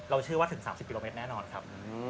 เชื่อว่าถึง๓๐กิโลเมตรแน่นอนครับ